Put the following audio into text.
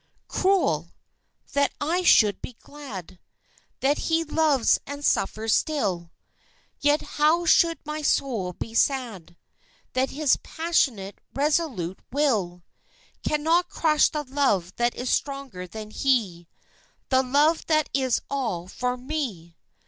Cruel! that I should be glad That he loves and suffers still, Yet how should my soul be sad That his passionate, resolute will Cannot crush the love that is stronger than he, The love that is all for me!